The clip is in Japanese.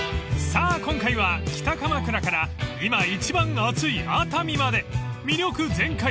［さあ今回は北鎌倉から今一番熱い熱海まで魅力全開